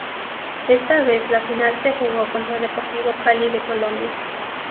Esta vez la final se jugó contra Deportivo Cali de Colombia.